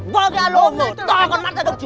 vô cái alo mở to con mắt ra đồng chữ